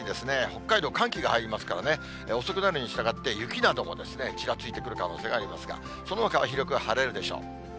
北海道、寒気が入りますからね、遅くなるにしたがって、雪などもちらついてくる可能性がありますが、そのほかは広く晴れるでしょう。